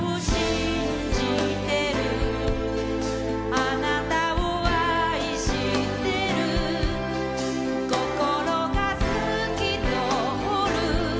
「あなたを愛してる」「心が透き通る」